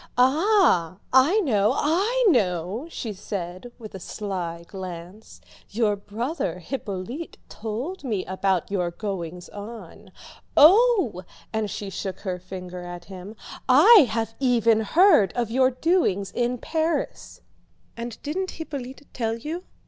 "Ah, I know, I know," she said with a sly glance, "your brother Hippolyte told me about your goings on. Oh!" and she shook her finger at him, "I have even heard of your doings in Paris!" "And didn't Hippolyte tell you?"